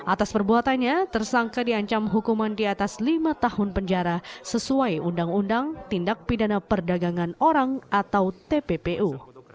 atas perbuatannya tersangka diancam hukuman di atas lima tahun penjara sesuai undang undang tindak pidana perdagangan orang atau tppu